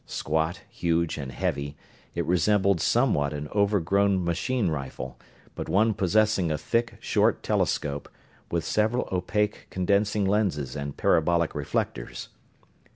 Squat, huge, and heavy, it resembled somewhat an overgrown machine rifle, but one possessing a thick, short telescope, with several opaque condensing lenses and parabolic reflectors.